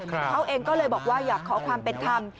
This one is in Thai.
เขาเองก็เลยบอกว่าอยากขอความเป็นธรรม